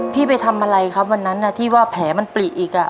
ไปทำอะไรครับวันนั้นที่ว่าแผลมันปลิอีก